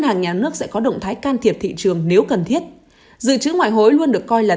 hàng nhà nước sẽ có động thái can thiệp thị trường nếu cần thiết dự trữ ngoại hối luôn được coi là